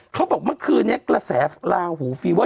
เขาบอกเมื่อคืนนี้กระแสลาหูฟีเวอร์